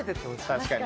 確かに。